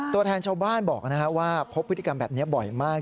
ตัวแทนชาวบ้านบอกว่าพบพฤติกรรมแบบนี้บ่อยมาก